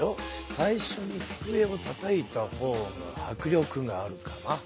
最初につくえをたたいたほうが迫力があるかな？